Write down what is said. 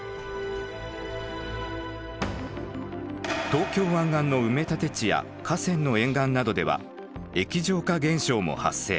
東京湾岸の埋立地や河川の沿岸などでは液状化現象も発生。